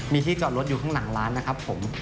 มีที่จอดรถอยู่ข้างหลังร้านนะครับผม